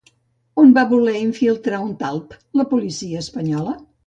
On va voler infiltrar un talp la policia espanyola?